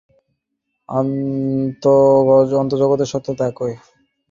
তাঁহারা বলেন, বহির্জগতের সত্যতা এবং অন্তর্জগতের সত্যতা একই।